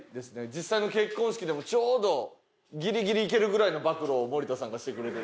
実際の結婚式でもちょうどギリギリいけるぐらいの暴露を森田さんがしてくれて。